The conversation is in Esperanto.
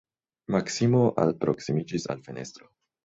Maksimo alproksimiĝis al fenestro.